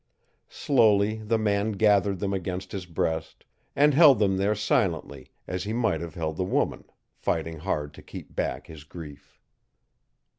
Slowly the man gathered them against his breast, and held them there silently, as he might have held the woman, fighting hard to keep back his grief.